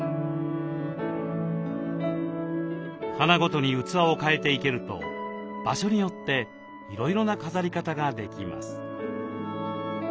花ごとに器を替えて生けると場所によっていろいろな飾り方ができます。